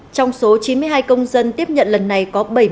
trong số chín mươi hai công dân tiếp nhận lần này có bảy mươi một